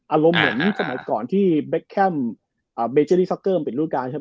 อารมณ์เหมือนสมัยก่อนที่เบคแคมเป็นรูปการณ์